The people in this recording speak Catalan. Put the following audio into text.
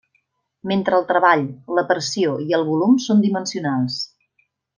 Mentre el treball, la pressió i el volum són dimensionals.